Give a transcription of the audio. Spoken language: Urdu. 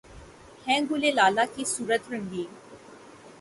ہیں گل لالہ کی صورت رنگیں